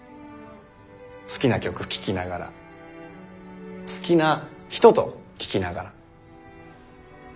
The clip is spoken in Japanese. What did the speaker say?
好きな曲聴きながら好きな人と聴きながら。